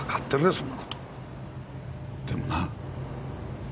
そんなことでもな